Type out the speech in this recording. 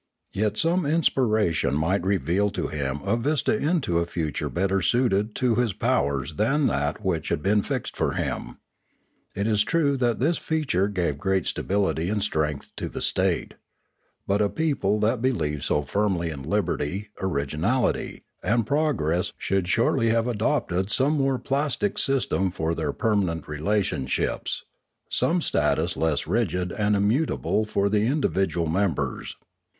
Yet some inspiration might reveal to him a vista into a future better suited to his powers than that which had been fixed for him. It is true 538 The Manora and the Imanora 539 that this feature gave great stability and strength to the state. But a people that believed so firmly in liberty, originality, and progress should surely have adopted some more plastic system for their permanent relationships, some status less rigid and immutable for the individual members.